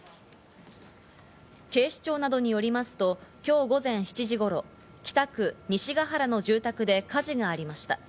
警視庁などによりますと、今日午前７時頃、北区西ヶ原の住宅で火事がありました。